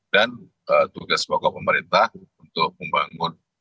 dan tugas pokok pemerintah untuk membangun